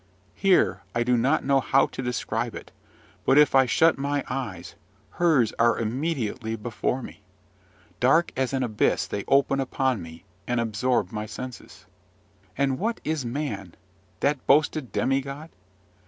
Here I do not know how to describe it; but, if I shut my eyes, hers are immediately before me: dark as an abyss they open upon me, and absorb my senses. And what is man that boasted demigod?